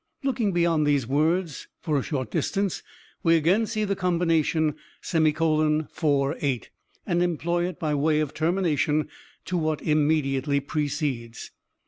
"Looking beyond these words, for a short distance, we again see the combination ;48, and employ it by way of termination to what immediately precedes.